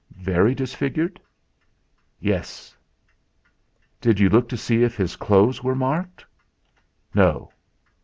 "Very disfigured?" "Yes." "Did you look to see if his clothes were marked?" "No."